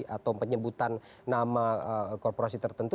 atau penyebutan nama korporasi tertentu